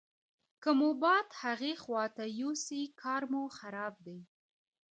که مو باد هغې خواته یوسي کار مو خراب دی.